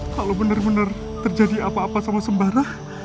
kalau benar benar terjadi apa apa sama sembarah